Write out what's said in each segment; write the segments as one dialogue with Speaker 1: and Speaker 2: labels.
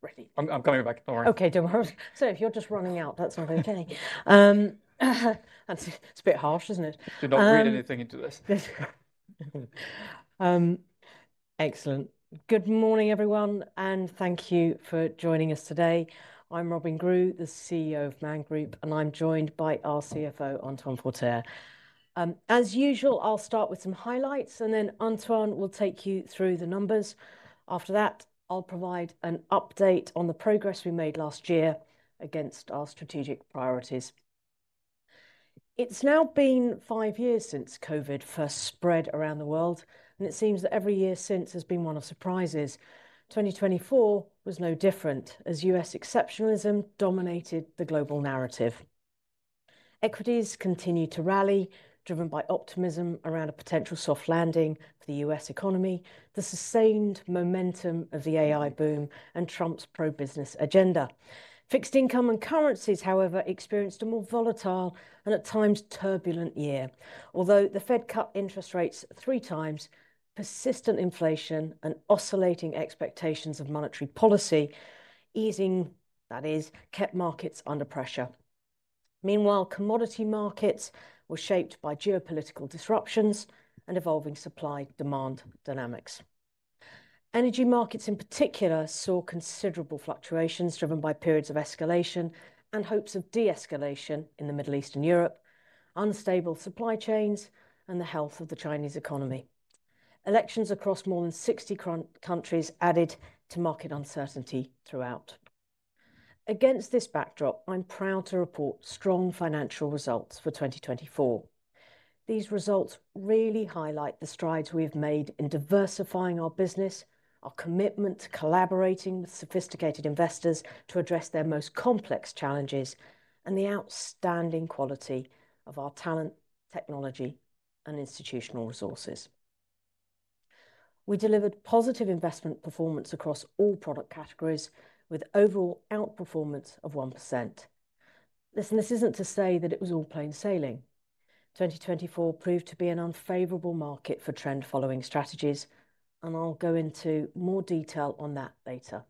Speaker 1: Ready?
Speaker 2: I'm coming back. Don't worry.
Speaker 1: Okay, don't worry. Sorry if you're just running out. That's not okay. It's a bit harsh, isn't it?
Speaker 2: Do not read anything into this.
Speaker 1: Excellent. Good morning, everyone, and thank you for joining us today. I'm Robyn Grew, the CEO of Man Group, and I'm joined by our CFO, Antoine Forterre. As usual, I'll start with some highlights, and then Antoine will take you through the numbers. After that, I'll provide an update on the progress we made last year against our strategic priorities. It's now been five years since COVID first spread around the world, and it seems that every year since has been one of surprises. 2024 was no different as U.S. exceptionalism dominated the global narrative. Equities continued to rally, driven by optimism around a potential soft landing for the U.S. economy, the sustained momentum of the AI boom, and Trump's pro-business agenda. Fixed income and currencies, however, experienced a more volatile and at times turbulent year. Although the Fed cut interest rates three times, persistent inflation and oscillating expectations of monetary policy easing, that is, kept markets under pressure. Meanwhile, commodity markets were shaped by geopolitical disruptions and evolving supply-demand dynamics. Energy markets, in particular, saw considerable fluctuations driven by periods of escalation and hopes of de-escalation in the Middle East and Europe, unstable supply chains, and the health of the Chinese economy. Elections across more than 60 countries added to market uncertainty throughout. Against this backdrop, I'm proud to report strong financial results for 2024. These results really highlight the strides we've made in diversifying our business, our commitment to collaborating with sophisticated investors to address their most complex challenges, and the outstanding quality of our talent, technology, and institutional resources. We delivered positive investment performance across all product categories, with overall outperformance of 1%. Listen, this isn't to say that it was all plain sailing. 2024 proved to be an unfavorable market for trend-following strategies, and I'll go into more detail on that later.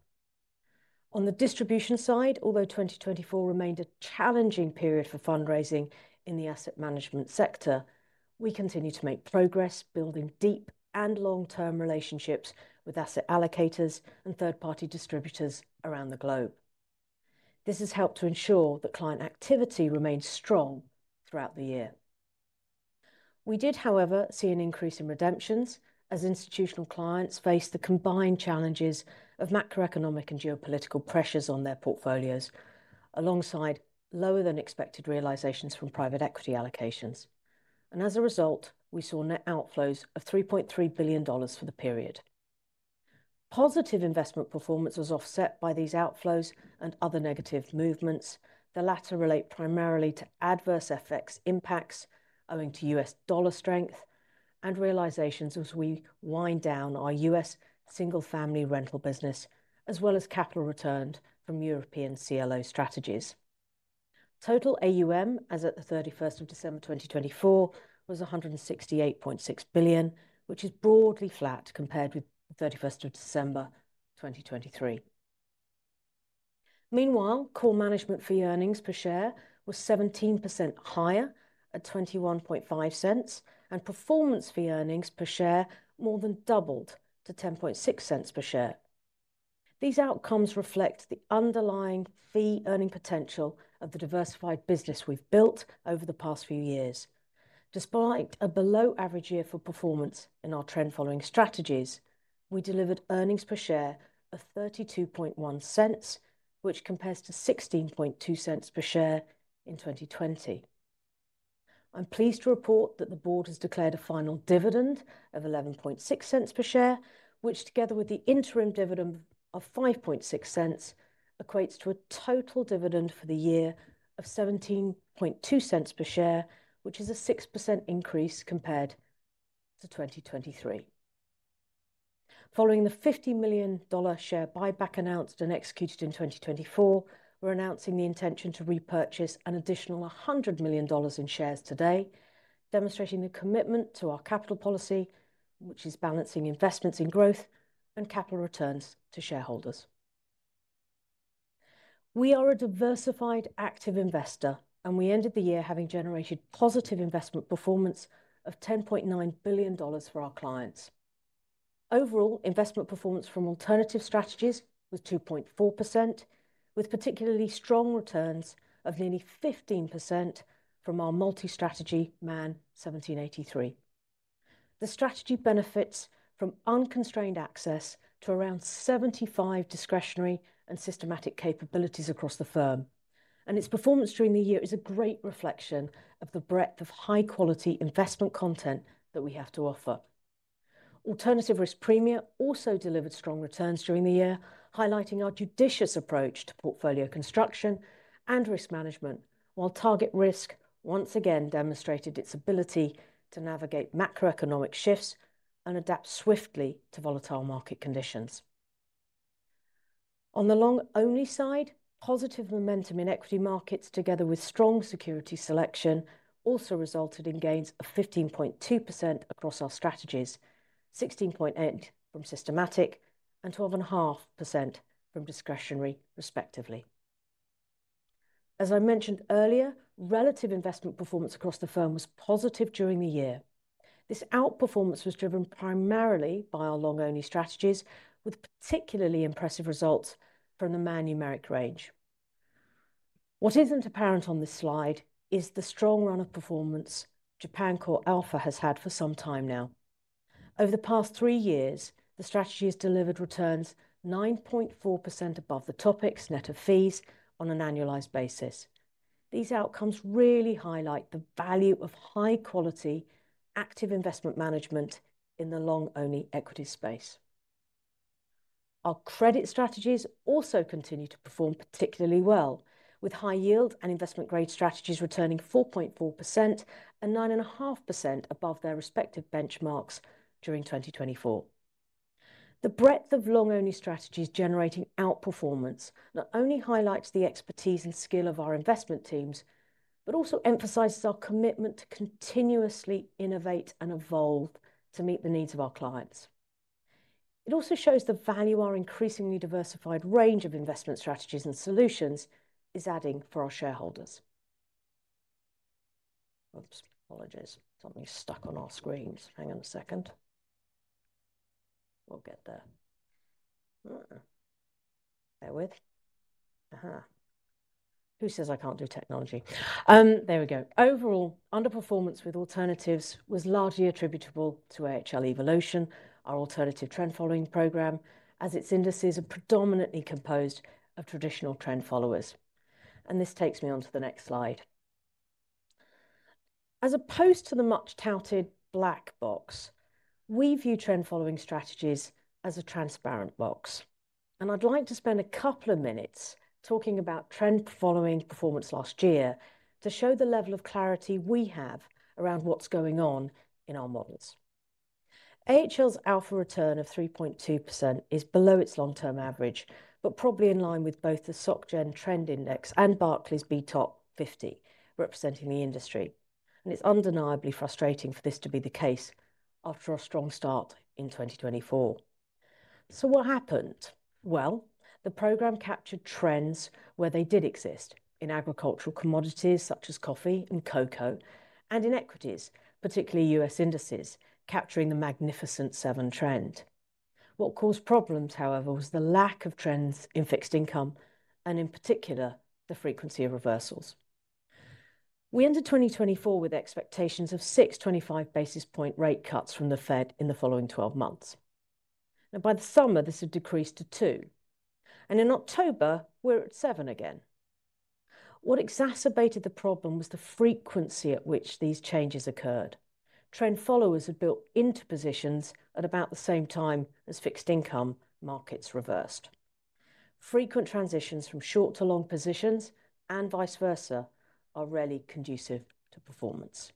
Speaker 1: On the distribution side, although 2024 remained a challenging period for fundraising in the asset management sector, we continue to make progress, building deep and long-term relationships with asset allocators and third-party distributors around the globe. This has helped to ensure that client activity remained strong throughout the year. We did, however, see an increase in redemptions as institutional clients faced the combined challenges of macroeconomic and geopolitical pressures on their portfolios, alongside lower-than-expected realizations from private equity allocations. And as a result, we saw net outflows of $3.3 billion for the period. Positive investment performance was offset by these outflows and other negative movements. The latter relate primarily to adverse FX impacts owing to U.S. dollar strength and realizations as we wind down our U.S. single-family rental business, as well as capital returned from European CLO strategies. Total AUM, as of 31 December 2024, was $168.6 billion, which is broadly flat compared with 31 December 2023. Meanwhile, core management fee earnings per share were 17% higher at $0.215, and performance fee earnings per share more than doubled to $0.106 per share. These outcomes reflect the underlying fee earning potential of the diversified business we've built over the past few years. Despite a below-average year for performance in our trend-following strategies, we delivered earnings per share of $0.321, which compares to $0.162 per share in 2020. I'm pleased to report that the board has declared a final dividend of $0.116 per share, which, together with the interim dividend of $0.056, equates to a total dividend for the year of $0.172 per share, which is a 6% increase compared to 2023. Following the $50 million share buyback announced and executed in 2024, we're announcing the intention to repurchase an additional $100 million in shares today, demonstrating the commitment to our capital policy, which is balancing investments in growth and capital returns to shareholders. We are a diversified active investor, and we ended the year having generated positive investment performance of $10.9 billion for our clients. Overall, investment performance from alternative strategies was 2.4%, with particularly strong returns of nearly 15% from our multi-strategy Man 1783. The strategy benefits from unconstrained access to around 75 discretionary and systematic capabilities across the firm, and its performance during the year is a great reflection of the breadth of high-quality investment content that we have to offer. Alternative Risk Premia also delivered strong returns during the year, highlighting our judicious approach to portfolio construction and risk management, while TargetRisk once again demonstrated its ability to navigate macroeconomic shifts and adapt swiftly to volatile market conditions. On the long-only side, positive momentum in equity markets, together with strong security selection, also resulted in gains of 15.2% across our strategies, 16.8% from systematic and 12.5% from discretionary, respectively. As I mentioned earlier, relative investment performance across the firm was positive during the year. This outperformance was driven primarily by our long-only strategies, with particularly impressive results from the Man Numeric range. What isn't apparent on this slide is the strong run of performance Japan CoreAlpha has had for some time now. Over the past three years, the strategy has delivered returns 9.4% above the TOPIX net of fees on an annualized basis. These outcomes really highlight the value of high-quality active investment management in the long-only equity space. Our credit strategies also continue to perform particularly well, with high-yield and investment-grade strategies returning 4.4% and 9.5% above their respective benchmarks during 2024. The breadth of long-only strategies generating outperformance not only highlights the expertise and skill of our investment teams, but also emphasizes our commitment to continuously innovate and evolve to meet the needs of our clients. It also shows the value our increasingly diversified range of investment strategies and solutions is adding for our shareholders. Oops, apologies. Something's stuck on our screens. Hang on a second. We'll get there. Overall, underperformance with alternatives was largely attributable to AHL Evolution, our alternative trend-following program, as its indices are predominantly composed of traditional trend followers. And this takes me on to the next slide. As opposed to the much touted black box, we view trend-following strategies as a transparent box. And I'd like to spend a couple of minutes talking about trend-following performance last year to show the level of clarity we have around what's going on in our models. AHL's Alpha return of 3.2% is below its long-term average, but probably in line with both the SocGen Trend Index and Barclay BTOP50 representing the industry. And it's undeniably frustrating for this to be the case after our strong start in 2024. So what happened? The program captured trends where they did exist in agricultural commodities such as coffee and cocoa, and in equities, particularly U.S. indices, capturing the Magnificent Seven trend. What caused problems, however, was the lack of trends in fixed income, and in particular, the frequency of reversals. We entered 2024 with expectations of six 25 basis point rate cuts from the Fed in the following 12 months. Now, by the summer, this had decreased to two, and in October, we're at seven again. What exacerbated the problem was the frequency at which these changes occurred. Trend followers had built into positions at about the same time as fixed income markets reversed. Frequent transitions from short to long positions and vice versa are rarely conducive to performance.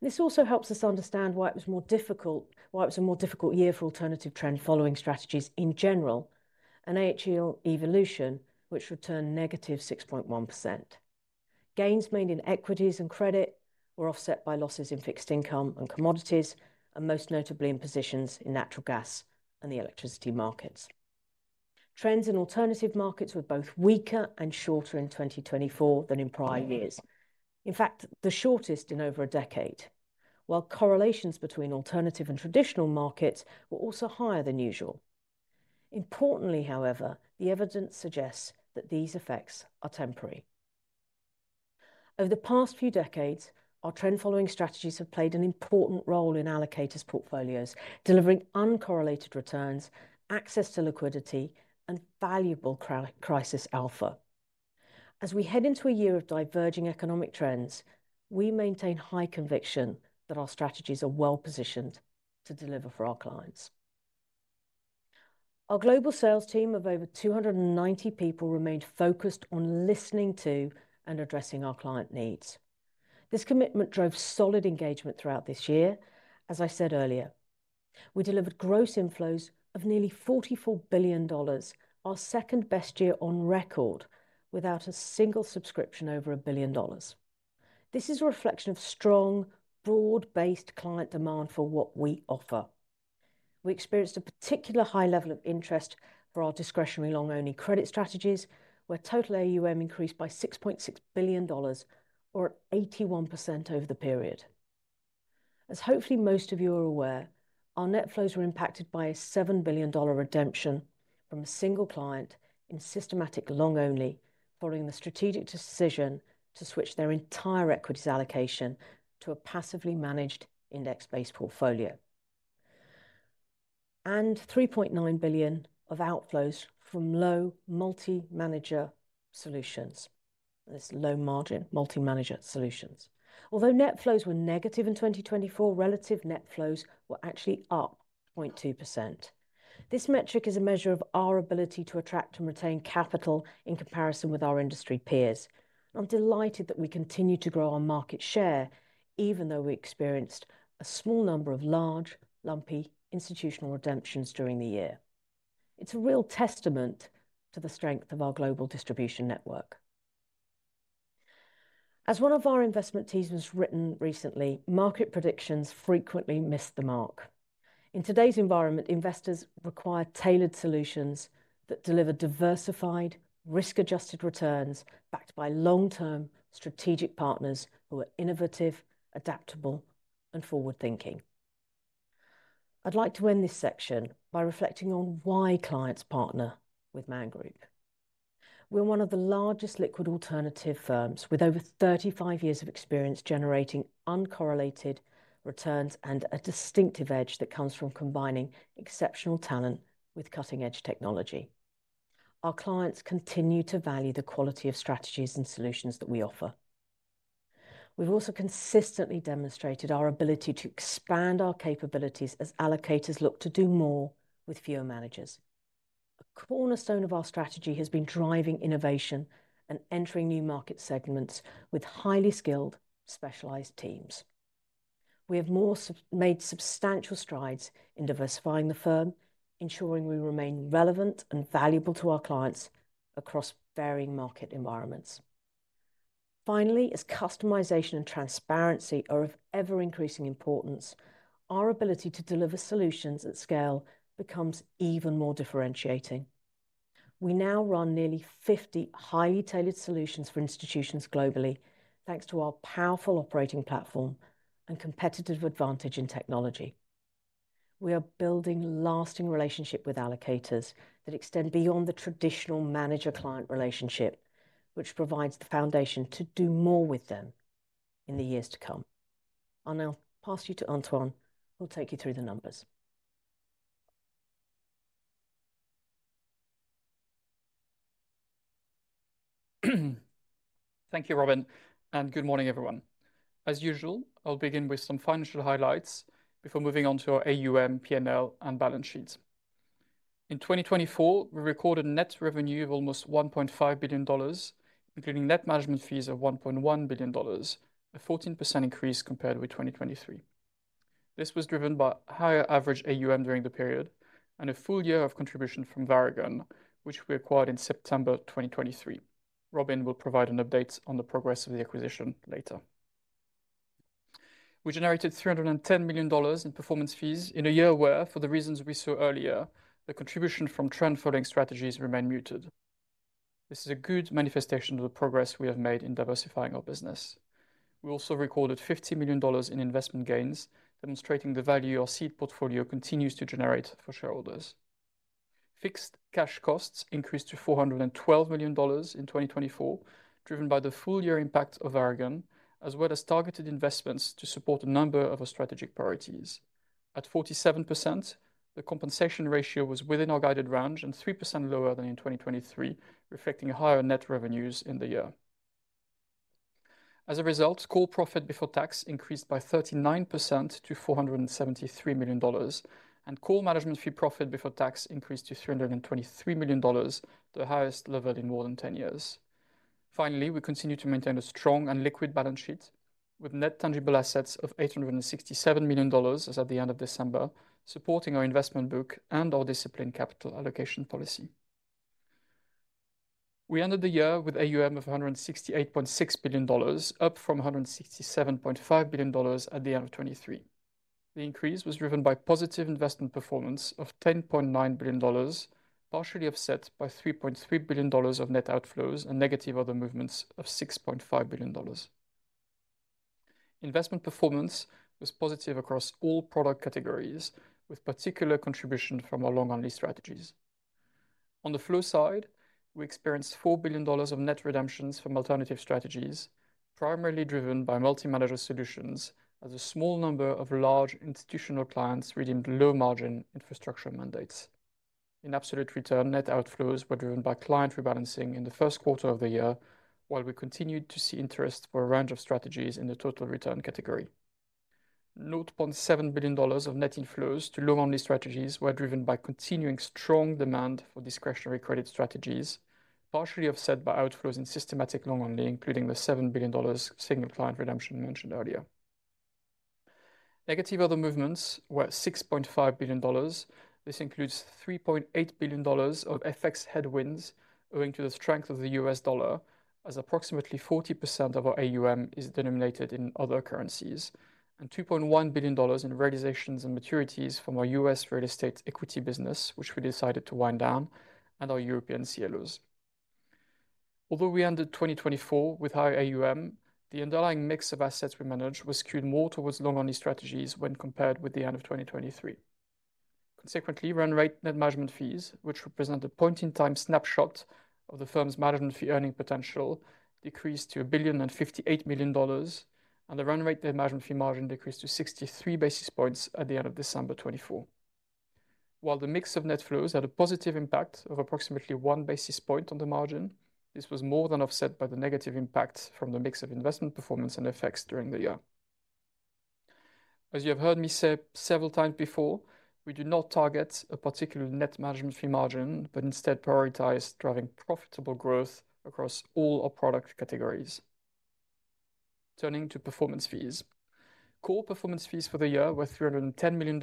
Speaker 1: This also helps us understand why it was more difficult, why it was a more difficult year for alternative trend-following strategies in general, and AHL Evolution, which returned negative 6.1%. Gains made in equities and credit were offset by losses in fixed income and commodities, and most notably in positions in natural gas and the electricity markets. Trends in alternative markets were both weaker and shorter in 2024 than in prior years. In fact, the shortest in over a decade, while correlations between alternative and traditional markets were also higher than usual. Importantly, however, the evidence suggests that these effects are temporary. Over the past few decades, our trend-following strategies have played an important role in allocators' portfolios, delivering uncorrelated returns, access to liquidity, and valuable crisis alpha. As we head into a year of diverging economic trends, we maintain high conviction that our strategies are well positioned to deliver for our clients. Our global sales team of over 290 people remained focused on listening to and addressing our client needs. This commitment drove solid engagement throughout this year. As I said earlier, we delivered gross inflows of nearly $44 billion, our second best year on record, without a single subscription over $1 billion. This is a reflection of strong, broad-based client demand for what we offer. We experienced a particular high level of interest for our discretionary long-only credit strategies, where total AUM increased by $6.6 billion, or 81% over the period. As hopefully most of you are aware, our net flows were impacted by a $7 billion redemption from a single client in systematic long-only following the strategic decision to switch their entire equities allocation to a passively managed index-based portfolio, and $3.9 billion of outflows from low multi-manager solutions, this low margin multi-manager solutions. Although net flows were negative in 2024, relative net flows were actually up 0.2%. This metric is a measure of our ability to attract and retain capital in comparison with our industry peers. I'm delighted that we continue to grow our market share, even though we experienced a small number of large, lumpy institutional redemptions during the year. It's a real testament to the strength of our global distribution network. As one of our investment teams has written recently, market predictions frequently miss the mark. In today's environment, investors require tailored solutions that deliver diversified, risk-adjusted returns backed by long-term strategic partners who are innovative, adaptable, and forward-thinking. I'd like to end this section by reflecting on why clients partner with Man Group. We're one of the largest liquid alternative firms with over 35 years of experience generating uncorrelated returns and a distinctive edge that comes from combining exceptional talent with cutting-edge technology. Our clients continue to value the quality of strategies and solutions that we offer. We've also consistently demonstrated our ability to expand our capabilities as allocators look to do more with fewer managers. A cornerstone of our strategy has been driving innovation and entering new market segments with highly skilled, specialized teams. We have made substantial strides in diversifying the firm, ensuring we remain relevant and valuable to our clients across varying market environments. Finally, as customization and transparency are of ever-increasing importance, our ability to deliver solutions at scale becomes even more differentiating. We now run nearly 50 highly tailored solutions for institutions globally, thanks to our powerful operating platform and competitive advantage in technology. We are building lasting relationships with allocators that extend beyond the traditional manager-client relationship, which provides the foundation to do more with them in the years to come. I'll now pass you to Antoine, who will take you through the numbers.
Speaker 2: Thank you, Robyn, and good morning, everyone. As usual, I'll begin with some financial highlights before moving on to our AUM, P&L, and balance sheets. In 2024, we recorded net revenue of almost $1.5 billion, including net management fees of $1.1 billion, a 14% increase compared with 2023. This was driven by higher average AUM during the period and a full year of contribution from Varagon, which we acquired in September 2023. Robyn will provide an update on the progress of the acquisition later. We generated $310 million in performance fees in a year where, for the reasons we saw earlier, the contribution from trend-following strategies remained muted. This is a good manifestation of the progress we have made in diversifying our business. We also recorded $50 million in investment gains, demonstrating the value our seed portfolio continues to generate for shareholders. Fixed cash costs increased to $412 million in 2024, driven by the full year impact of Varagon, as well as targeted investments to support a number of our strategic priorities. At 47%, the compensation ratio was within our guided range and 3% lower than in 2023, reflecting higher net revenues in the year. As a result, core profit before tax increased by 39% to $473 million, and core management fee profit before tax increased to $323 million, the highest level in more than 10 years. Finally, we continue to maintain a strong and liquid balance sheet, with net tangible assets of $867 million, as at the end of December, supporting our investment book and our disciplined capital allocation policy. We ended the year with AUM of $168.6 billion, up from $167.5 billion at the end of 2023. The increase was driven by positive investment performance of $10.9 billion, partially offset by $3.3 billion of net outflows and negative other movements of $6.5 billion. Investment performance was positive across all product categories, with particular contribution from our long-only strategies. On the flow side, we experienced $4 billion of net redemptions from alternative strategies, primarily driven by multi-manager solutions, as a small number of large institutional clients redeemed low-margin infrastructure mandates. In absolute return, net outflows were driven by client rebalancing in the Q1 of the year, while we continued to see interest for a range of strategies in the total return category. Note $0.7 billion of net inflows to long-only strategies were driven by continuing strong demand for discretionary credit strategies, partially offset by outflows in systematic long-only, including the $7 billion single client redemption mentioned earlier. Negative other movements were $6.5 billion. This includes $3.8 billion of FX headwinds owing to the strength of the U.S. dollar, as approximately 40% of our AUM is denominated in other currencies, and $2.1 billion in realizations and maturities from our U.S. real estate equity business, which we decided to wind down, and our European CLOs. Although we ended 2024 with high AUM, the underlying mix of assets we managed was skewed more towards long-only strategies when compared with the end of 2023. Consequently, run rate net management fees, which represent a point-in-time snapshot of the firm's management fee earning potential, decreased to $1.58 billion, and the run rate net management fee margin decreased to 63 basis points at the end of December 2024. While the mix of net flows had a positive impact of approximately one basis point on the margin, this was more than offset by the negative impact from the mix of investment performance and effects during the year. As you have heard me say several times before, we do not target a particular net management fee margin, but instead prioritize driving profitable growth across all our product categories. Turning to performance fees, core performance fees for the year were $310 million,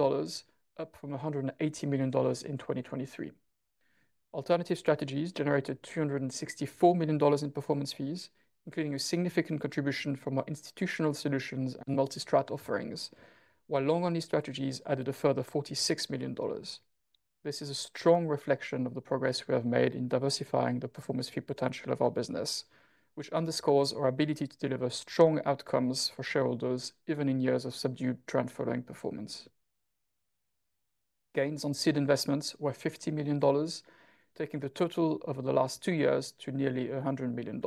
Speaker 2: up from $180 million in 2023. Alternative strategies generated $264 million in performance fees, including a significant contribution from our institutional solutions and multi-strat offerings, while long-only strategies added a further $46 million. This is a strong reflection of the progress we have made in diversifying the performance fee potential of our business, which underscores our ability to deliver strong outcomes for shareholders even in years of subdued trend-following performance. Gains on seed investments were $50 million, taking the total over the last two years to nearly $100 million.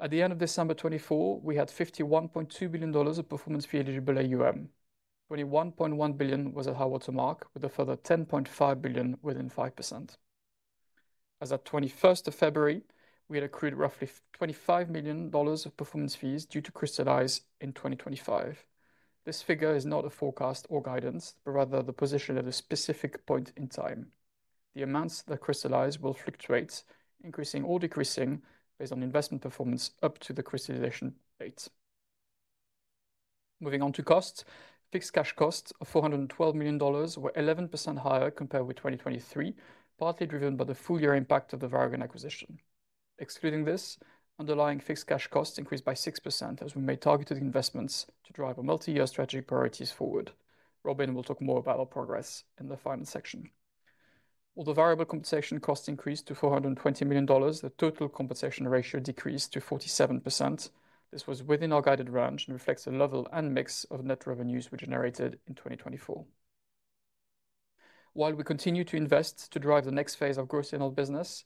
Speaker 2: At the end of December 2024, we had $51.2 billion of performance fee eligible AUM. $21.1 billion was at our watermark, with a further $10.5 billion within 5%. As of 21 February, we had accrued roughly $25 million of performance fees due to crystallize in 2025. This figure is not a forecast or guidance, but rather the position at a specific point in time. The amounts that crystallize will fluctuate, increasing or decreasing based on investment performance up to the crystallization date. Moving on to costs, fixed cash costs of $412 million were 11% higher compared with 2023, partly driven by the full year impact of the Varagon acquisition. Excluding this, underlying fixed cash costs increased by 6% as we made targeted investments to drive our multi-year strategic priorities forward. Robyn will talk more about our progress in the final section. Although variable compensation costs increased to $420 million, the total compensation ratio decreased to 47%. This was within our guided range and reflects the level and mix of net revenues we generated in 2024. While we continue to invest to drive the next phase of growth in our business,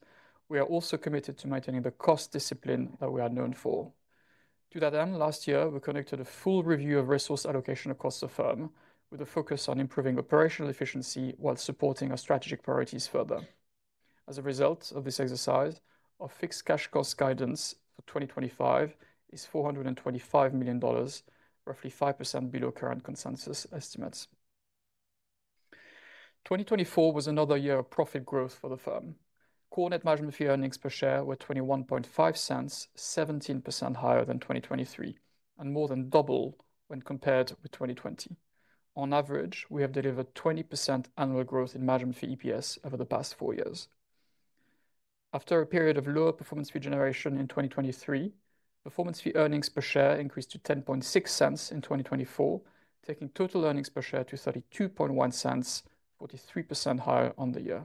Speaker 2: we are also committed to maintaining the cost discipline that we are known for. To that end, last year, we conducted a full review of resource allocation across the firm, with a focus on improving operational efficiency while supporting our strategic priorities further. As a result of this exercise, our fixed cash cost guidance for 2025 is $425 million, roughly 5% below current consensus estimates. 2024 was another year of profit growth for the firm. Core net management fee earnings per share were $0.215, 17% higher than 2023 and more than double when compared with 2020. On average, we have delivered 20% annual growth in management fee EPS over the past four years. After a period of lower performance fee generation in 2023, performance fee earnings per share increased to $0.106 in 2024, taking total earnings per share to $0.321, 43% higher on the year.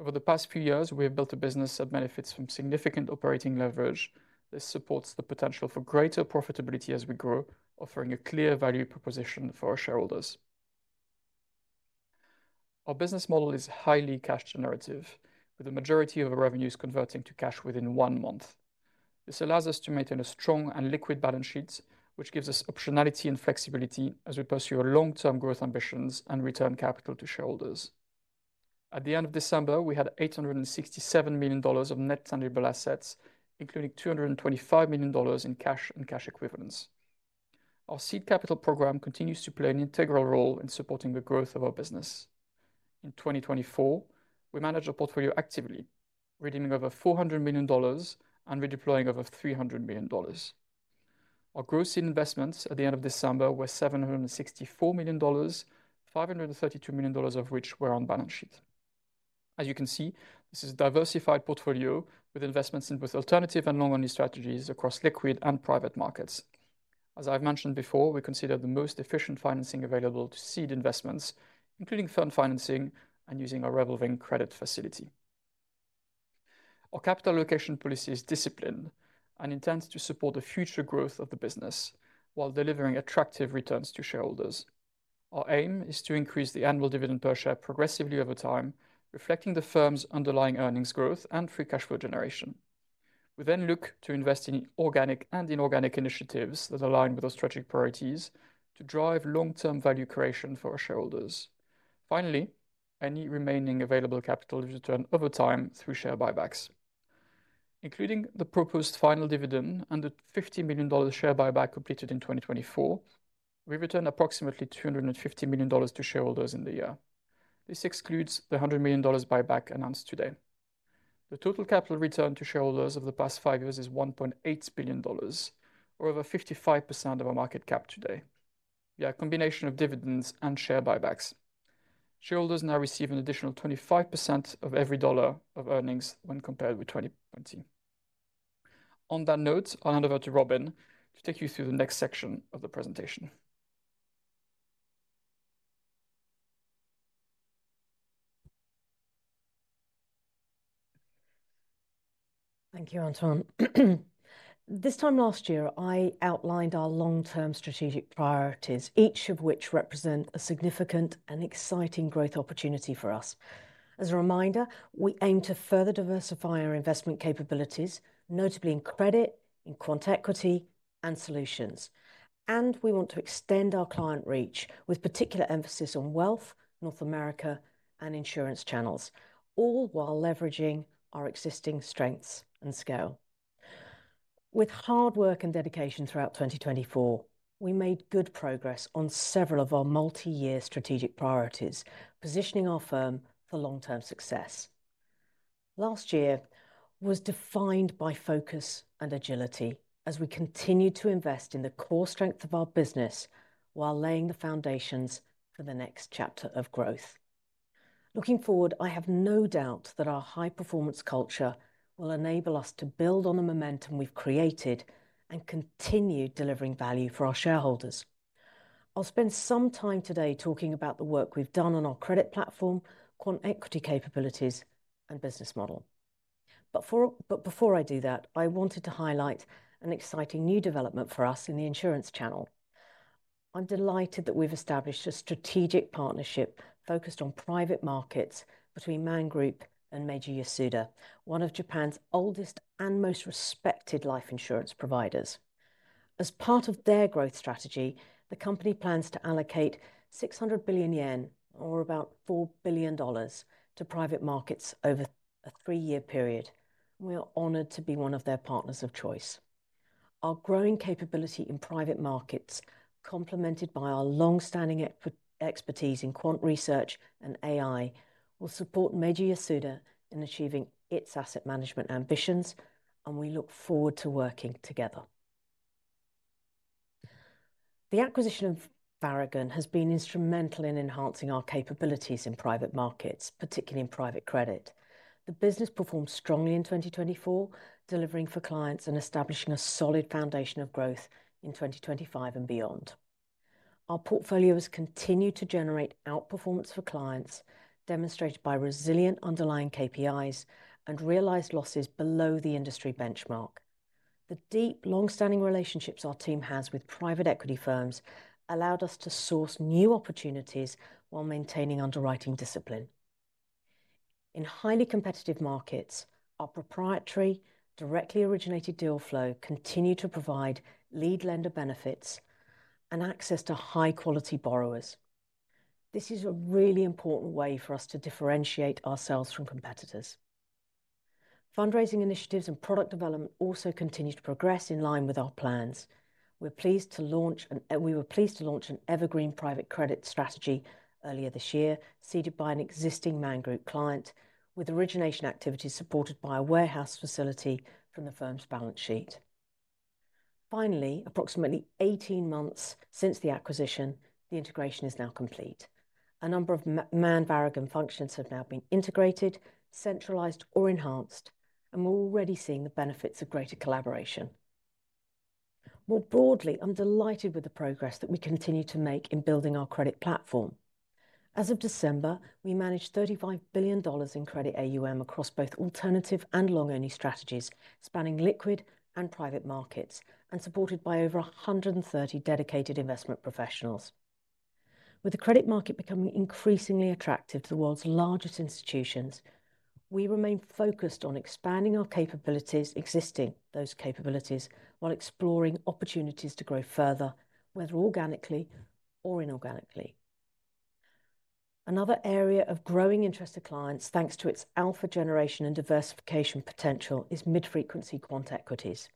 Speaker 2: Over the past few years, we have built a business that benefits from significant operating leverage. This supports the potential for greater profitability as we grow, offering a clear value proposition for our shareholders. Our business model is highly cash generative, with the majority of our revenues converting to cash within one month. This allows us to maintain a strong and liquid balance sheet, which gives us optionality and flexibility as we pursue our long-term growth ambitions and return capital to shareholders. At the end of December, we had $867 million of net tangible assets, including $225 million in cash and cash equivalents. Our seed capital program continues to play an integral role in supporting the growth of our business. In 2024, we managed our portfolio actively, redeeming over $400 million and redeploying over $300 million. Our gross seed investments at the end of December were $764 million, $532 million of which were on balance sheet. As you can see, this is a diversified portfolio with investments in both alternative and long-only strategies across liquid and private markets. As I've mentioned before, we consider the most efficient financing available to seed investments, including fund financing and using our revolving credit facility. Our capital allocation policy is disciplined and intends to support the future growth of the business while delivering attractive returns to shareholders. Our aim is to increase the annual dividend per share progressively over time, reflecting the firm's underlying earnings growth and free cash flow generation. We then look to invest in organic and inorganic initiatives that align with our strategic priorities to drive long-term value creation for our shareholders. Finally, any remaining available capital is returned over time through share buybacks. Including the proposed final dividend and the $50 million share buyback completed in 2024, we returned approximately $250 million to shareholders in the year. This excludes the $100 million buyback announced today. The total capital return to shareholders of the past five years is $1.8 billion, or over 55% of our market cap today. We are a combination of dividends and share buybacks. Shareholders now receive an additional 25% of every dollar of earnings when compared with 2020. On that note, I'll hand over to Robyn to take you through the next section of the presentation.
Speaker 1: Thank you, Antoine. This time last year, I outlined our long-term strategic priorities, each of which represent a significant and exciting growth opportunity for us. As a reminder, we aim to further diversify our investment capabilities, notably in credit, in quant equity, and solutions. And we want to extend our client reach with particular emphasis on wealth, North America, and insurance channels, all while leveraging our existing strengths and scale. With hard work and dedication throughout 2024, we made good progress on several of our multi-year strategic priorities, positioning our firm for long-term success. Last year was defined by focus and agility as we continued to invest in the core strength of our business while laying the foundations for the next chapter of growth. Looking forward, I have no doubt that our high-performance culture will enable us to build on the momentum we've created and continue delivering value for our shareholders. I'll spend some time today talking about the work we've done on our credit platform, quant equity capabilities, and business model. But before I do that, I wanted to highlight an exciting new development for us in the insurance channel. I'm delighted that we've established a strategic partnership focused on private markets between Man Group and Meiji Yasuda, one of Japan's oldest and most respected life insurance providers. As part of their growth strategy, the company plans to allocate 600 billion yen, or about $4 billion, to private markets over a three-year period. We are honored to be one of their partners of choice. Our growing capability in private markets, complemented by our long-standing expertise in quant research and AI, will support Meiji Yasuda in achieving its asset management ambitions, and we look forward to working together. The acquisition of Varagon has been instrumental in enhancing our capabilities in private markets, particularly in private credit. The business performed strongly in 2024, delivering for clients and establishing a solid foundation of growth in 2025 and beyond. Our portfolio has continued to generate outperformance for clients, demonstrated by resilient underlying KPIs and realized losses below the industry benchmark. The deep, long-standing relationships our team has with private equity firms allowed us to source new opportunities while maintaining underwriting discipline. In highly competitive markets, our proprietary, directly originated deal flow continues to provide lead lender benefits and access to high-quality borrowers. This is a really important way for us to differentiate ourselves from competitors. Fundraising initiatives and product development also continue to progress in line with our plans. We were pleased to launch an evergreen private credit strategy earlier this year, seeded by an existing Man Group client, with origination activities supported by a warehouse facility from the firm's balance sheet. Finally, approximately 18 months since the acquisition, the integration is now complete. A number of Man Varagon functions have now been integrated, centralized, or enhanced, and we're already seeing the benefits of greater collaboration. More broadly, I'm delighted with the progress that we continue to make in building our credit platform. As of December, we managed $35 billion in credit AUM across both alternative and long-only strategies, spanning liquid and private markets, and supported by over 130 dedicated investment professionals. With the credit market becoming increasingly attractive to the world's largest institutions, we remain focused on expanding our capabilities, exercising those capabilities, while exploring opportunities to grow further, whether organically or inorganically. Another area of growing interest to clients, thanks to its alpha generation and diversification potential, is mid-frequency quant equities.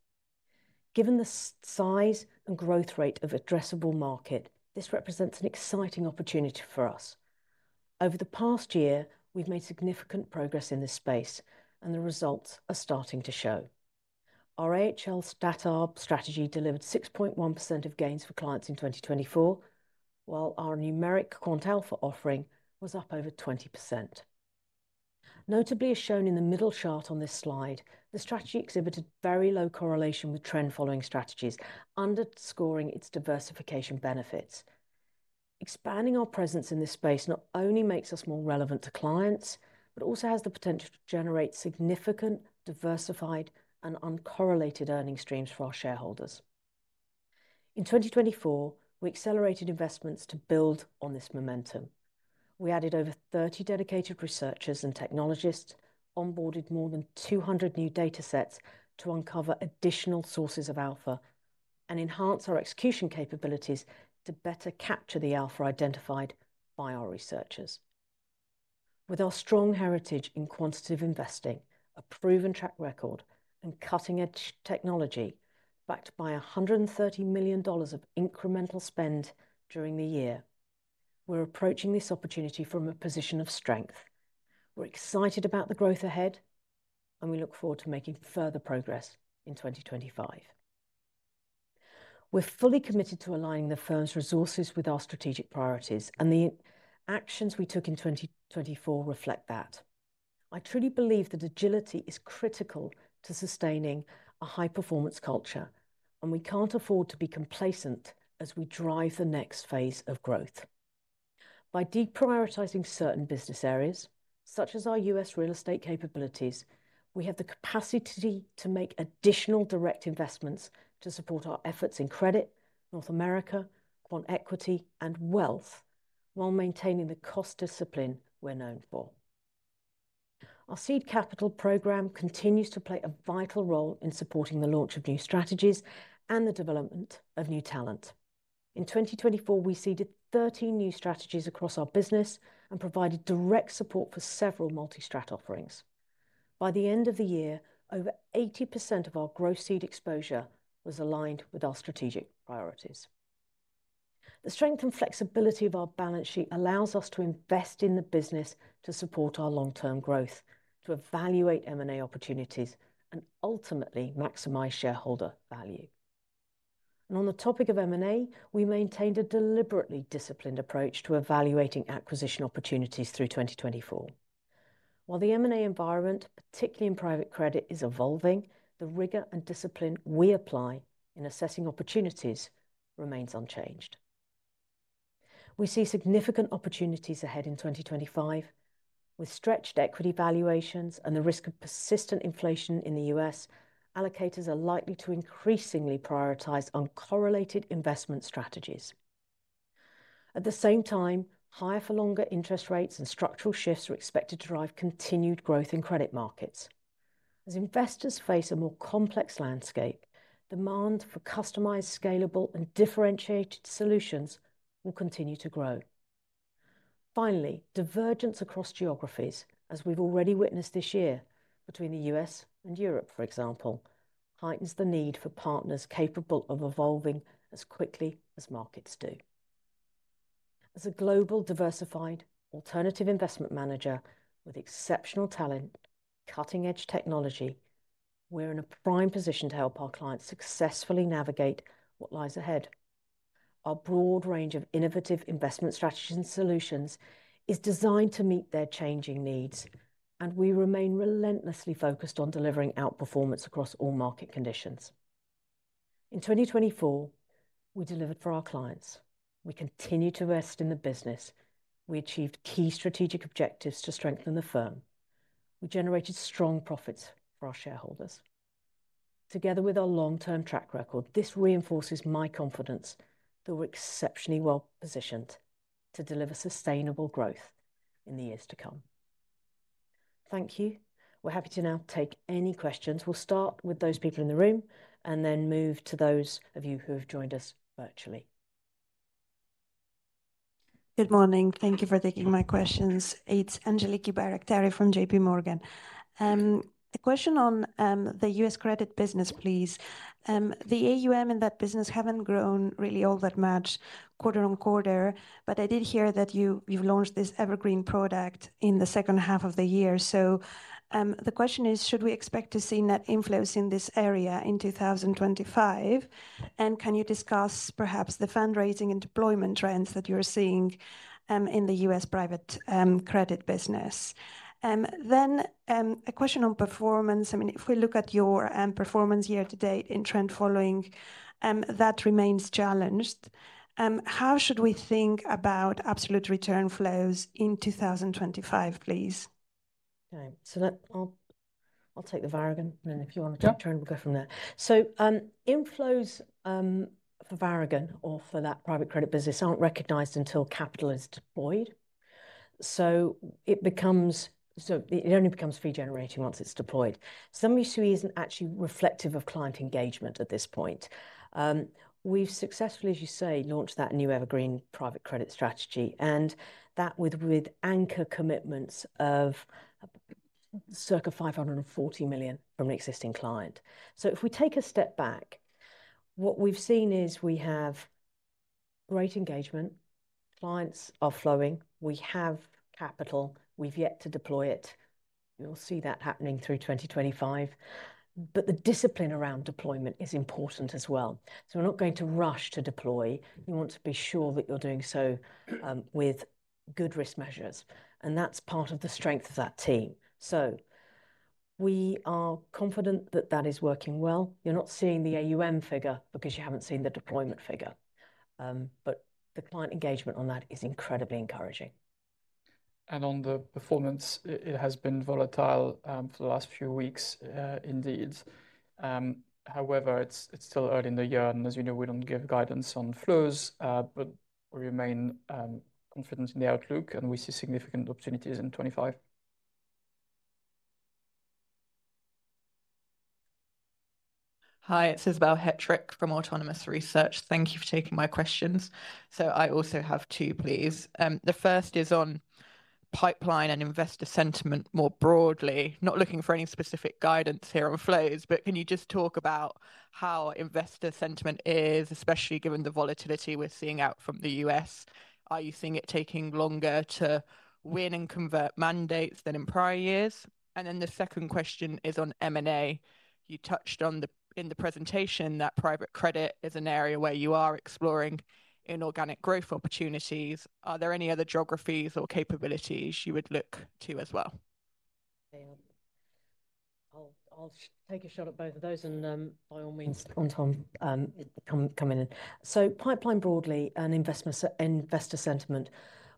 Speaker 1: Given the size and growth rate of addressable market, this represents an exciting opportunity for us. Over the past year, we've made significant progress in this space, and the results are starting to show. Our AHL Stat Arb strategy delivered 6.1% of gains for clients in 2024, while our Over the past year, we've made significant progress in this space, and the results are starting to show. Our AHL Stat Arb strategy delivered 6.1% of gains for clients in 2024, while our Man Numeric Quant Alpha offering was up over 20%. was up over 20%. Notably, as shown in the middle chart on this slide, the strategy exhibited very low correlation with trend-following strategies, underscoring its diversification benefits. Expanding our presence in this space not only makes us more relevant to clients, but also has the potential to generate significant, diversified, and uncorrelated earnings streams for our shareholders. In 2024, we accelerated investments to build on this momentum. We added over 30 dedicated researchers and technologists, onboarded more than 200 new data sets to uncover additional sources of alpha, and enhanced our execution capabilities to better capture the alpha identified by our researchers. With our strong heritage in quantitative investing, a proven track record, and cutting-edge technology backed by $130 million of incremental spend during the year, we're approaching this opportunity from a position of strength. We're excited about the growth ahead, and we look forward to making further progress in 2025. We're fully committed to aligning the firm's resources with our strategic priorities, and the actions we took in 2024 reflect that. I truly believe that agility is critical to sustaining a high-performance culture, and we can't afford to be complacent as we drive the next phase of growth. By deprioritizing certain business areas, such as our U.S. real estate capabilities, we have the capacity to make additional direct investments to support our efforts in credit, North America, quant equity, and wealth, while maintaining the cost discipline we're known for. Our seed capital program continues to play a vital role in supporting the launch of new strategies and the development of new talent. In 2024, we seeded 13 new strategies across our business and provided direct support for several multi-strategy offerings. By the end of the year, over 80% of our gross seed exposure was aligned with our strategic priorities. The strength and flexibility of our balance sheet allows us to invest in the business to support our long-term growth, to evaluate M&A opportunities, and ultimately maximize shareholder value. And on the topic of M&A, we maintained a deliberately disciplined approach to evaluating acquisition opportunities through 2024. While the M&A environment, particularly in private credit, is evolving, the rigor and discipline we apply in assessing opportunities remains unchanged. We see significant opportunities ahead in 2025. With stretched equity valuations and the risk of persistent inflation in the U.S., allocators are likely to increasingly prioritize uncorrelated investment strategies. At the same time, higher-for-longer interest rates and structural shifts are expected to drive continued growth in credit markets. As investors face a more complex landscape, demand for customized, scalable, and differentiated solutions will continue to grow. Finally, divergence across geographies, as we've already witnessed this year between the U.S. and Europe, for example, heightens the need for partners capable of evolving as quickly as markets do. As a global diversified alternative investment manager with exceptional talent and cutting-edge technology, we're in a prime position to help our clients successfully navigate what lies ahead. Our broad range of innovative investment strategies and solutions is designed to meet their changing needs, and we remain relentlessly focused on delivering outperformance across all market conditions. In 2024, we delivered for our clients. We continue to invest in the business. We achieved key strategic objectives to strengthen the firm. We generated strong profits for our shareholders. Together with our long-term track record, this reinforces my confidence that we're exceptionally well positioned to deliver sustainable growth in the years to come. Thank you. We're happy to now take any questions. We'll start with those people in the room and then move to those of you who have joined us virtually.
Speaker 3: Good morning. Thank you for taking my questions. It's Angeliki Bairaktari from J.P. Morgan. The question on the U.S. credit business, please. The AUM in that business hasn't grown really all that much quarter on quarter, but I did hear that you've launched this evergreen product in the second half of the year. The question is, should we expect to see net inflows in this area in 2025? And can you discuss perhaps the fundraising and deployment trends that you're seeing in the U.S. private credit business? Then a question on performance. I mean, if we look at your performance year-to-date in trend following, that remains challenged. How should we think about absolute return flows in 2025, please?
Speaker 1: Okay, so I'll take the Varagon, and then if you want to take turn, we'll go from there. So inflows for Varagon or for that private credit business aren't recognized until capital is deployed. So it only becomes fee-generating once it's deployed. AUM issue isn't actually reflective of client engagement at this point. We've successfully, as you say, launched that new evergreen private credit strategy, and that with anchor commitments of circa $540 million from an existing client. So if we take a step back, what we've seen is we have great engagement, clients are flowing, we have capital, we've yet to deploy it. We'll see that happening through 2025. But the discipline around deployment is important as well. So we're not going to rush to deploy. You want to be sure that you're doing so with good risk measures. And that's part of the strength of that team. So we are confident that that is working well. You're not seeing the AUM figure because you haven't seen the deployment figure. But the client engagement on that is incredibly encouraging.
Speaker 2: And on the performance, it has been volatile for the last few weeks indeed. However, it's still early in the year. And as you know, we don't give guidance on flows, but we remain confident in the outlook, and we see significant opportunities in 2025.
Speaker 4: Hi, it's Isobel Hettrick from Autonomous Research. Thank you for taking my questions. So I also have two, please. The first is on pipeline and investor sentiment more broadly. Not looking for any specific guidance here on flows, but can you just talk about how investor sentiment is, especially given the volatility we're seeing out from the U.S.? Are you seeing it taking longer to win and convert mandates than in prior years? And then the second question is on M&A. You touched on the, in the presentation that private credit is an area where you are exploring inorganic growth opportunities. Are there any other geographies or capabilities you would look to as well?
Speaker 1: I'll take a shot at both of those, and by all means, Antoine, come in. So, pipeline broadly and investor sentiment,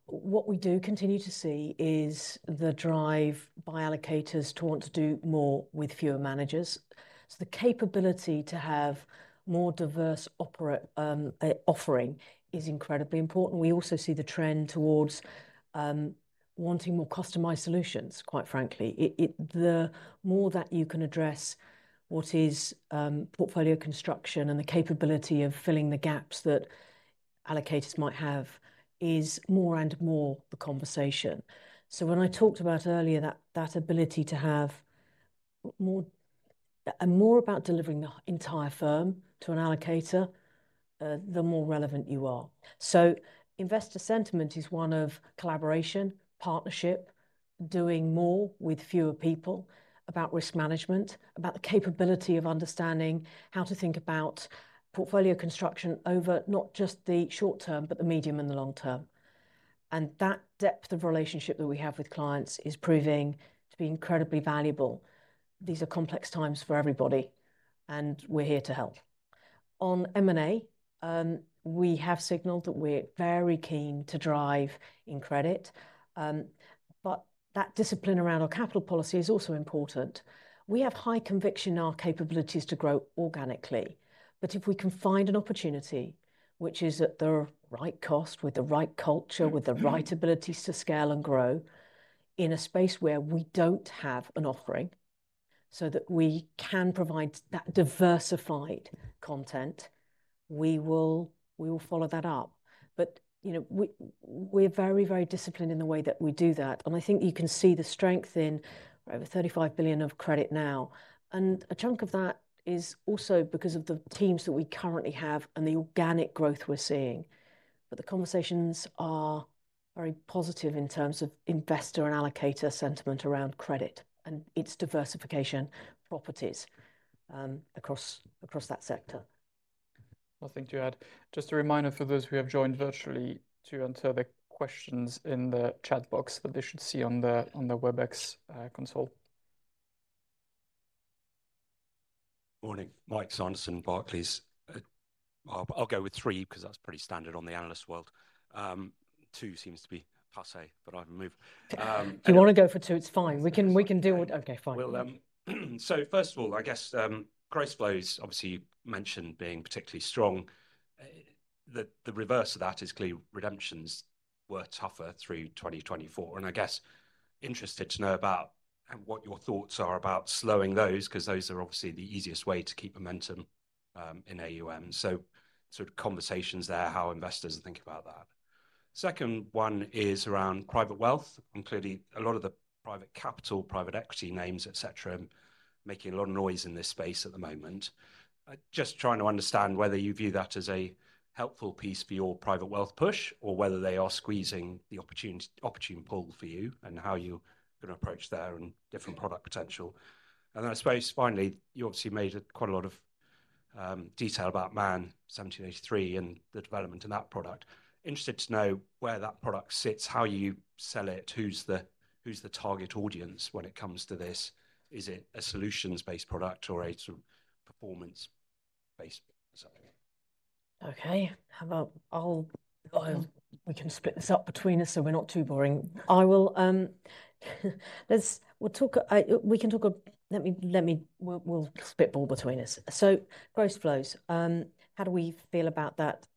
Speaker 1: what we do continue to see is the drive by allocators to want to do more with fewer managers. So, the capability to have more diverse offering is incredibly important. We also see the trend towards wanting more customized solutions, quite frankly. The more that you can address what is portfolio construction and the capability of filling the gaps that allocators might have is more and more the conversation. So, when I talked about earlier that that ability to have more and more about delivering the entire firm to an allocator, the more relevant you are. So, investor sentiment is one of collaboration, partnership, doing more with fewer people, about risk management, about the capability of understanding how to think about portfolio construction over not just the short term, but the medium and the long term. That depth of relationship that we have with clients is proving to be incredibly valuable. These are complex times for everybody, and we're here to help. On M&A, we have signaled that we're very keen to drive in credit, but that discipline around our capital policy is also important. We have high conviction in our capabilities to grow organically, but if we can find an opportunity, which is at the right cost, with the right culture, with the right abilities to scale and grow in a space where we don't have an offering so that we can provide that diversified content, we will follow that up. But you know we're very, very disciplined in the way that we do that. I think you can see the strength in that we're over $35 billion of credit now. A chunk of that is also because of the teams that we currently have and the organic growth we're seeing. But the conversations are very positive in terms of investor and allocator sentiment around credit and its diversification properties across that sector.
Speaker 2: Well, thank you. And just a reminder for those who have joined virtually to answer the questions in the chat box that they should see on the Webex console.
Speaker 5: Morning, Mike Sanderson, Barclays. I'll go with three because that's pretty standard on the analyst world. Two seems to be passé, but I've moved.
Speaker 1: Do you want to go for two? It's fine. We can deal with. Okay, fine.
Speaker 5: So first of all, I guess gross flows, obviously you mentioned being particularly strong. The reverse of that is clearly redemptions were tougher through 2024. I guess interested to know about what your thoughts are about slowing those because those are obviously the easiest way to keep momentum in AUM. Sort of conversations there, how investors think about that. Second one is around private wealth. Clearly, a lot of the private capital, private equity names, et cetera, are making a lot of noise in this space at the moment. Just trying to understand whether you view that as a helpful piece for your private wealth push or whether they are squeezing the opportunity pool for you and how you're going to approach there and different product potential. Then I suppose finally, you obviously made quite a lot of detail about Man 1783 and the development of that product. Interested to know where that product sits, how you sell it, who's the target audience when it comes to this? Is it a solutions-based product or a sort of performance-based product?
Speaker 1: Okay, how about we can split this up between us so we're not too boring. We'll spitball between us. So gross flows, how do we feel about that?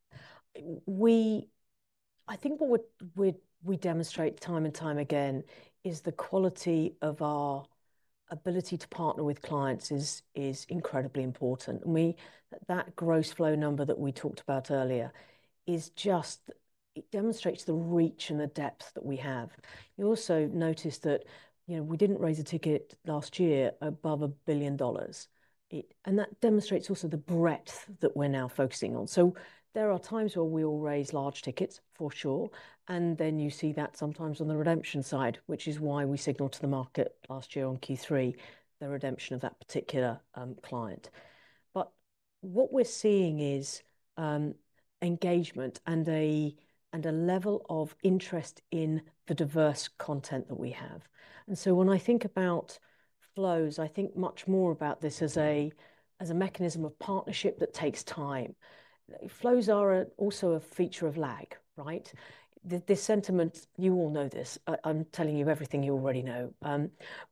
Speaker 1: I think what we demonstrate time and time again is the quality of our ability to partner with clients is incredibly important. And that gross flow number that we talked about earlier is just, it demonstrates the reach and the depth that we have. You also notice that, you know, we didn't raise a ticket last year above $1 billion. And that demonstrates also the breadth that we're now focusing on. So there are times where we will raise large tickets, for sure. And then you see that sometimes on the redemption side, which is why we signaled to the market last year on Q3 the redemption of that particular client. But what we're seeing is engagement and a level of interest in the diverse content that we have. And so when I think about flows, I think much more about this as a mechanism of partnership that takes time. Flows are also a feature of lag, right? This sentiment, you all know this. I'm telling you everything you already know.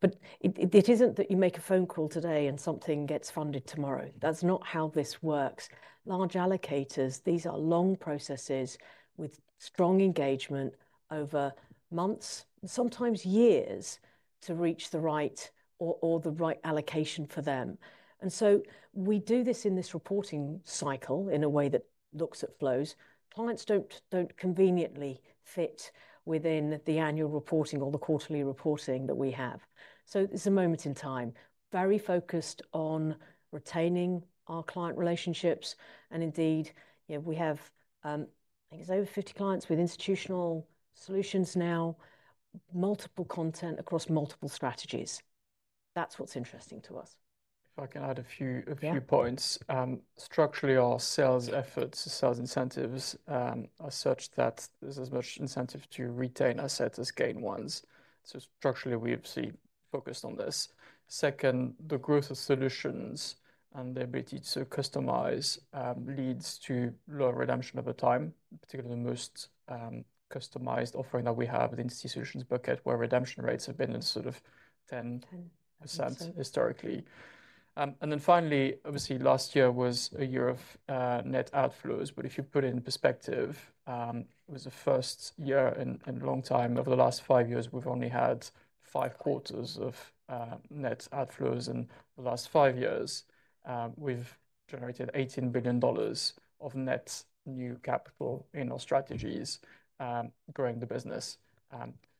Speaker 1: But it isn't that you make a phone call today and something gets funded tomorrow. That's not how this works. Large allocators, these are long processes with strong engagement over months, sometimes years, to reach the right allocation for them. And so we do this in this reporting cycle in a way that looks at flows. Clients don't conveniently fit within the annual reporting or the quarterly reporting that we have. So it's a moment in time, very focused on retaining our client relationships. And indeed, you know, we have, I think it's over 50 clients with institutional solutions now, multiple content across multiple strategies. That's what's interesting to us.
Speaker 2: If I can add a few points, structurally, our sales efforts, sales incentives are such that there's as much incentive to retain assets as gain ones. So structurally, we've seen focused on this. Second, the growth of solutions and the ability to customize leads to lower redemption over time, particularly the most customized offering that we have in the institution's bucket, where redemption rates have been in sort of 10% historically. And then finally, obviously, last year was a year of net outflows. But if you put it in perspective, it was the first year in a long time over the last five years. We've only had five quarters of net outflows in the last five years. We've generated $18 billion of net new capital in our strategies, growing the business.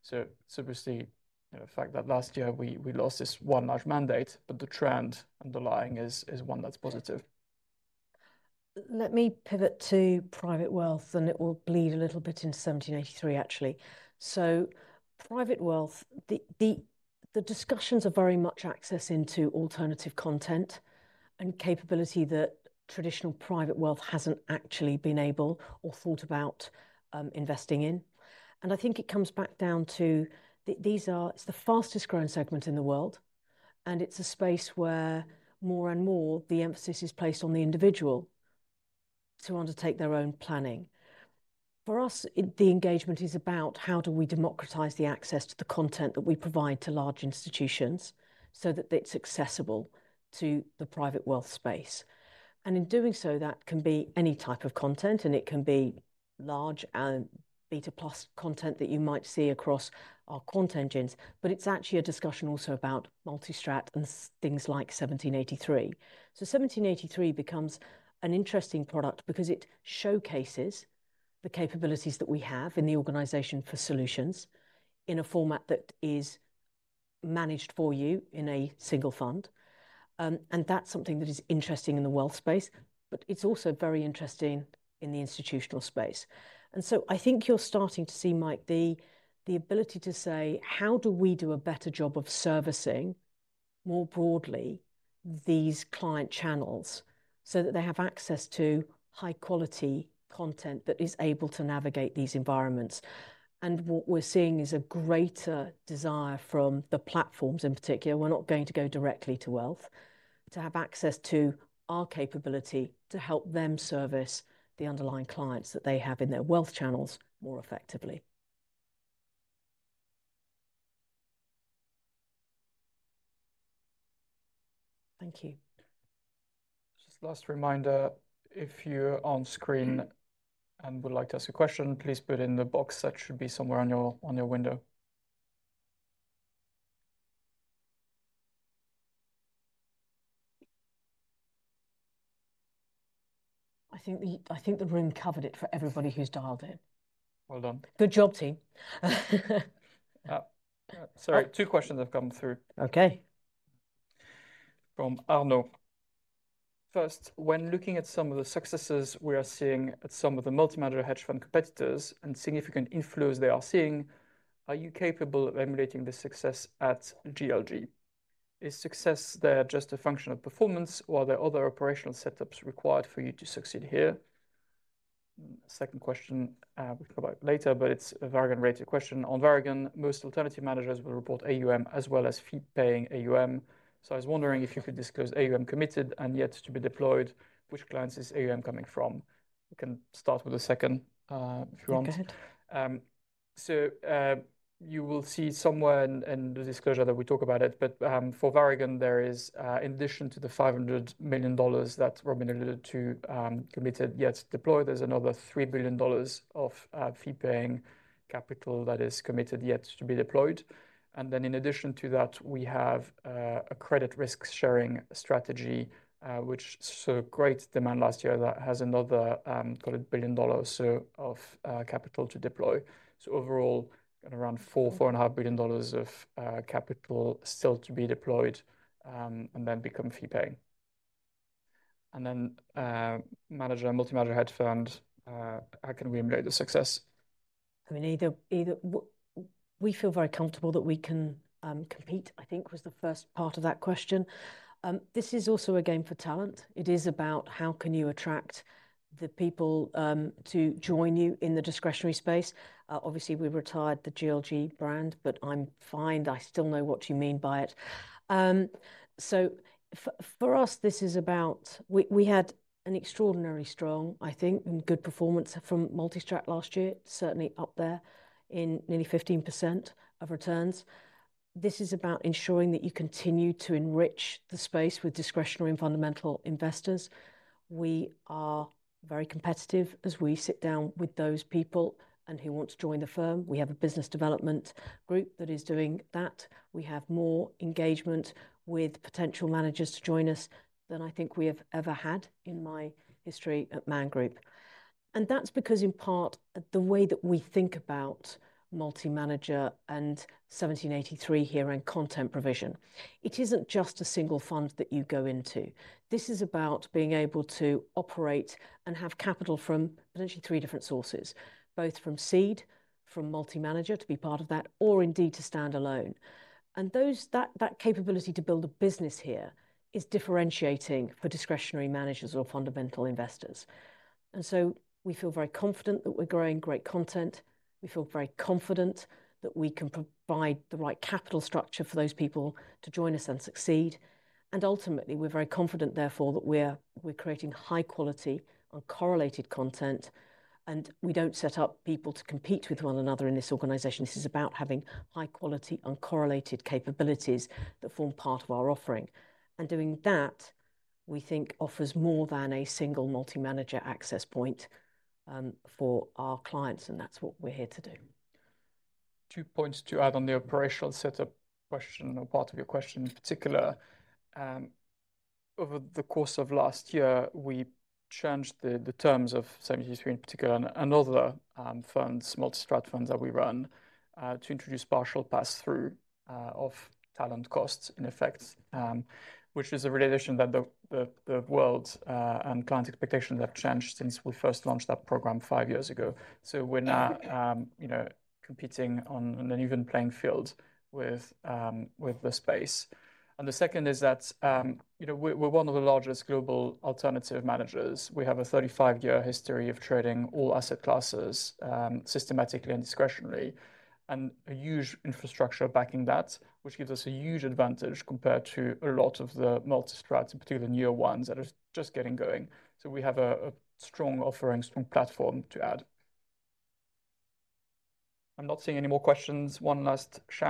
Speaker 2: So obviously, the fact that last year we lost this one large mandate, but the trend underlying is one that's positive.
Speaker 1: Let me pivot to private wealth, and it will bleed a little bit into 1783, actually. So private wealth, the discussions are very much access into alternative content and capability that traditional private wealth hasn't actually been able or thought about investing in. And I think it comes back down to these are, it's the fastest growing segment in the world. And it's a space where more and more the emphasis is placed on the individual to undertake their own planning. For us, the engagement is about how do we democratize the access to the content that we provide to large institutions so that it's accessible to the private wealth space. And in doing so, that can be any type of content, and it can be large and beta plus content that you might see across our quant engines. But it's actually a discussion also about multi-strat and things like 1783. So 1783 becomes an interesting product because it showcases the capabilities that we have in the organization for solutions in a format that is managed for you in a single fund. And that's something that is interesting in the wealth space, but it's also very interesting in the institutional space. I think you're starting to see, Mike, the ability to say, how do we do a better job of servicing more broadly these client channels so that they have access to high-quality content that is able to navigate these environments? What we're seeing is a greater desire from the platforms in particular. We're not going to go directly to wealth to have access to our capability to help them service the underlying clients that they have in their wealth channels more effectively. Thank you.
Speaker 2: Just last reminder, if you're on screen and would like to ask a question, please put it in the box that should be somewhere on your window.
Speaker 1: I think the room covered it for everybody who's dialed in. Well done. Good job, team.
Speaker 2: Sorry, two questions have come through.
Speaker 1: Okay.
Speaker 6: From Arnaud. First, when looking at some of the successes we are seeing at some of the multi-manager hedge fund competitors and significant inflows they are seeing, are you capable of emulating the success at GLG? Is success there just a function of performance, or are there other operational setups required for you to succeed here? Second question, which we'll come back to later, but it's a Varagon-related question. On Varagon, most alternative managers will report AUM as well as fee-paying AUM. So I was wondering if you could disclose AUM committed and yet to be deployed, which clients is AUM coming from? We can start with the second if you want. Okay.
Speaker 2: You will see somewhere in the disclosure that we talk about it, but for Varagon, there is, in addition to the $500 million that Robyn alluded to committed yet deployed, there's another $3 billion of fee-paying capital that is committed yet to be deployed. And then in addition to that, we have a Credit Risk Sharing strategy, which saw great demand last year that has another $1 billion of capital to deploy. So overall, around $4-$4.5 billion of capital still to be deployed and then become fee-paying.
Speaker 6: And then Man Group multi-manager hedge fund, how can we emulate the success?
Speaker 1: I mean, we feel very comfortable that we can compete. I think that was the first part of that question. This is also a game for talent. It is about how can you attract the people to join you in the discretionary space. Obviously, we've retired the GLG brand, but I'm fine. I still know what you mean by it. So for us, this is about we had an extraordinarily strong, I think, and good performance from multi-strat last year, certainly up there in nearly 15% of returns. This is about ensuring that you continue to enrich the space with discretionary and fundamental investors. We are very competitive as we sit down with those people and who want to join the firm. We have a business development group that is doing that. We have more engagement with potential managers to join us than I think we have ever had in my history at Man Group. And that's because in part, the way that we think about multi-manager and 1783 here and content provision, it isn't just a single fund that you go into. This is about being able to operate and have capital from potentially three different sources, both from seed, from multi-manager to be part of that, or indeed to stand alone, and that capability to build a business here is differentiating for discretionary managers or fundamental investors, and so we feel very confident that we're growing great content. We feel very confident that we can provide the right capital structure for those people to join us and succeed, and ultimately, we're very confident therefore that we're creating high-quality uncorrelated content, and we don't set up people to compete with one another in this organization. This is about having high-quality uncorrelated capabilities that form part of our offering, and doing that, we think offers more than a single multi-manager access point for our clients, and that's what we're here to do.
Speaker 2: Two points to add on the operational setup question or part of your question in particular. Over the course of last year, we changed the terms of 1783 in particular and other funds, multi-strat funds that we run to introduce partial pass-through of talent costs in effect, which is a reflection that the world and client expectations have changed since we first launched that program five years ago, so we're now, you know, competing on an even playing field with the space, and the second is that, you know, we're one of the largest global alternative managers. We have a 35-year history of trading all asset classes systematically and discretionary. And a huge infrastructure backing that, which gives us a huge advantage compared to a lot of the multi-strats, in particular newer ones that are just getting going. So we have a strong offering, strong platform to add. I'm not seeing any more questions. One last shot.